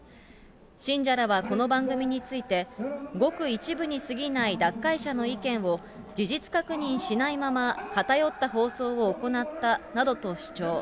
信者らはこの番組について、ごく一部にすぎない脱会者の意見を、事実確認しないまま、偏った放送を行ったなどと主張。